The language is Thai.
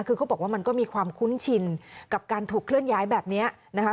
คือเขาบอกว่ามันก็มีความคุ้นชินกับการถูกเคลื่อนย้ายแบบนี้นะคะ